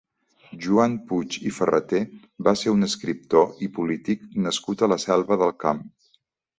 Joan Puig i Ferreter va ser un escriptor i polític nascut a la Selva del Camp.